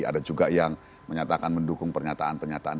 ada juga yang menyatakan mendukung pernyataan pernyataan